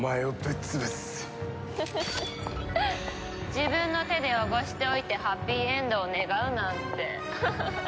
自分の手で汚しておいてハッピーエンドを願うなんて。